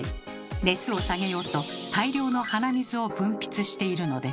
熱を下げようと大量の鼻水を分泌しているのです。